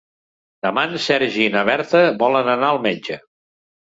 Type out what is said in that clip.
Demà en Sergi i na Berta volen anar al metge.